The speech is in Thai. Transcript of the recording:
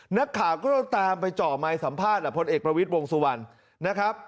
นักข่าวก็ต้องตามไปเจาะไมค์สัมภาษณ์แหละพลเอกประวิทย์วงสุวรรณนะครับ